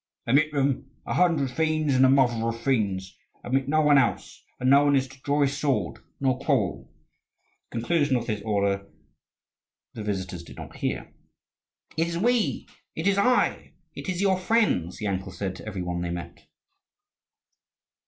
"Admit them, a hundred fiends, and mother of fiends! Admit no one else. And no one is to draw his sword, nor quarrel." The conclusion of this order the visitors did not hear. "It is we, it is I, it is your friends!" Yankel said to every one they met.